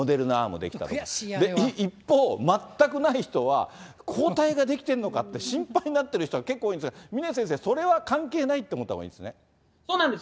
で、一方、全くない人は、抗体が出来てんのかって、心配になってる人が結構多いんですが、峰先生、それは関係ないっそうなんです。